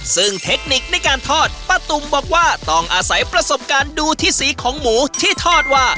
ซึ่งเทคนิคในการทอดป้าตุ๋มบอกว่าต้องอาศัยประสบการณ์ดูที่สีของหมูที่ทอดว่า